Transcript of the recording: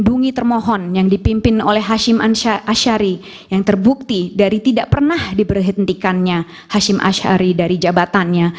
dungi termohon yang dipimpin oleh hashim ashari yang terbukti dari tidak pernah diberhentikannya hashim ashari dari jabatannya